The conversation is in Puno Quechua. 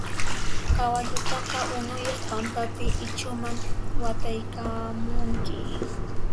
Kawallutaqa unuyuq pampapi ichhuman wataykamunki.